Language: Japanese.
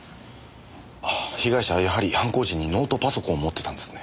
ああ被害者はやはり犯行時にノートパソコンを持ってたんですね。